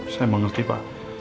saya mengerti pak